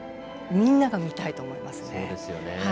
みんなが見たいと思いますね。